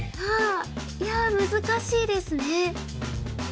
ああいや難しいですね。